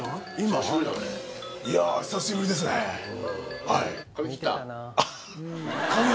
いや、久しぶりですねはい。